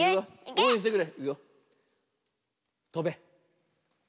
おうえんしてね！